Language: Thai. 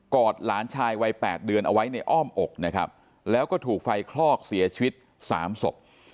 อดหลานชายวัย๘เดือนเอาไว้ในอ้อมอกนะครับแล้วก็ถูกไฟคลอกเสียชีวิตสามศพ